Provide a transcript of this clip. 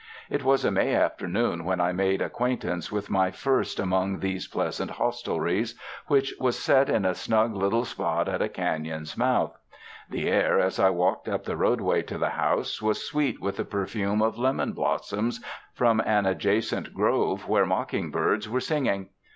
It was a May afternoon when I made acquaintance with my first among these pleasant hostelries, which was set in a snug little spot at a canon's mouth. The air, as I walked up the roadway to the house, was sweet with the perfume of lemon blossoms from an adjacent grove where mocking birds were sing ing.